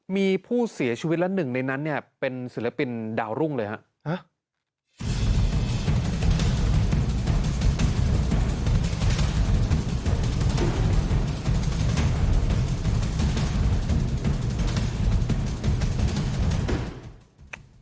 มีผู้เสียชีวิตและหนึ่งในนั้นเนี่ยเป็นศิลปินดาวรุ่งเลยครับ